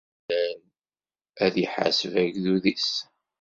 Ameɣlal ad iḥaseb agdud-is.